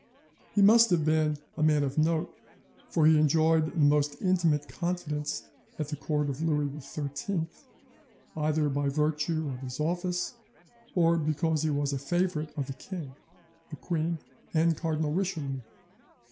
He must have been a man of note, for he enjoyed the most intimate confidence at the court of Louis XIII, either by virtue of his office or because he was a favourite of the king, the queen, and Cardinal Richelieu.